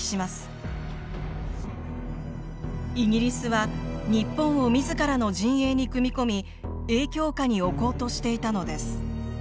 イギリスは日本を自らの陣営に組み込み影響下に置こうとしていたのです。